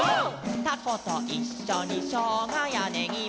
「たこといっしょにしょうがやねぎも」